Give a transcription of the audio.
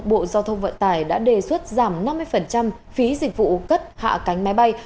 bộ giao thông vận tải đã đề xuất giảm năm mươi phí dịch vụ cất hạ cánh máy bay